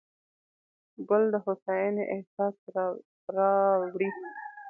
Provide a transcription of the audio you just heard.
ګل د هوساینې احساس راوړي.